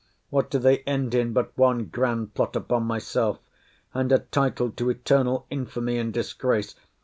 What do they end in, but one grand plot upon myself, and a title to eternal infamy and disgrace!